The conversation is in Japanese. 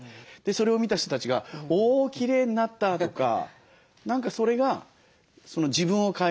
それを見た人たちが「おきれいになった」とか何かそれが自分を変えていく。